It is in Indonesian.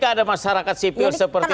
tidak ada masyarakat sipil seperti